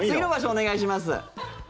お願いします。